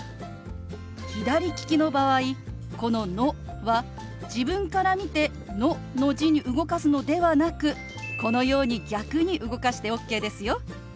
左利きの場合この「ノ」は自分から見て「ノ」の字に動かすのではなくこのように逆に動かしてＯＫですよ。